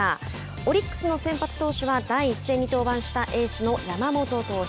オリックスの先発投手は第１戦に登板したエースの山本投手。